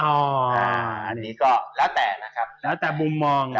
อันนี้ก็แล้วแต่นะครับแล้วแต่มุมมองอ่ะ